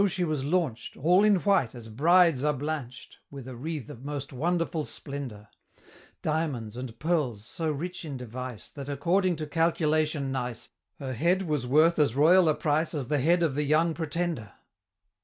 she was launched! All in white, as Brides are blanched, With a wreath of most wonderful splendor Diamonds, and pearls, so rich in device, That, according to calculation nice, Her head was worth as royal a price As the head of the Young Pretender.